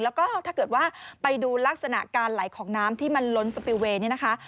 แล้วก็ถ้าเกิดว่าไปดูลักษณะการไหลของน้ำที่มันล้นสปิลเวย์เนี่ยนะคะ